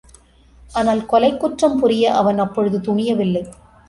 ஆனால், கொலைக் குற்றம் புரிய அவன் அப்பொழுது துணியவில்லை.